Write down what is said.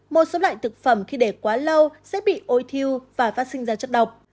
một số loại thực phẩm khi để quá lâu sẽ bị ôi thiêu và phát sinh ra chất độc